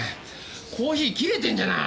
コーヒー切れてんじゃない！